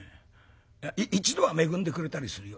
１度は恵んでくれたりするよ。